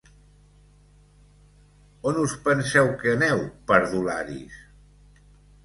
On us penseu que aneu, perdularis?